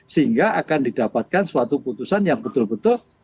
sehingga akan didapatkan suatu putusan yang betul betul